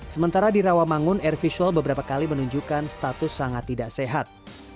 sementara di rawamangun air visual beberapa kali menunjukkan status sangat tidak sehat